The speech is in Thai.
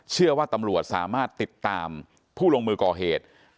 เชื่อว่าตำรวจสามารถติดตามผู้ลงมือก่อเหตุ